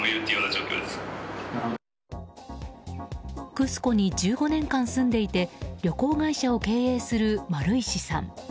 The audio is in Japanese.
クスコに１５年間住んでいて旅行会社を経営する丸石さん。